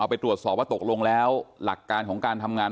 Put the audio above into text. ไปตรวจสอบว่าตกลงแล้วหลักการของการทำงาน